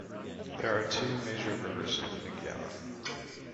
There are two major rivers in Naguilian.